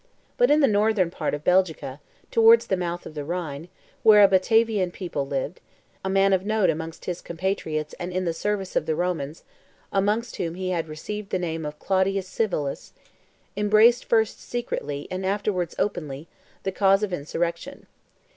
But in the northern part of Belgica, towards the mouths of the Rhine, where a Batavian peoplet lived, a man of note amongst his compatriots and in the service of the Romans, amongst whom he had received the name of Claudius Civilis, embraced first secretly, and afterwards openly, the cause of insurrection.